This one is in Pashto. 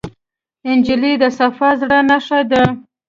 نجلۍ د صفا زړه نښه ده.